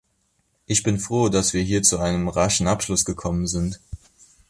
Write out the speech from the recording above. Ich bin froh, dass wir hier zu einem raschen Abschluss gekommen sind.